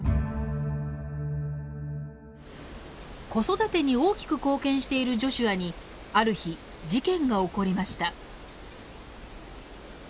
子育てに大きく貢献しているジョシュアにある日事件が起こりました。